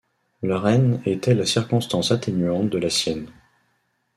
Leur haine était la circonstance atténuante de la sienne.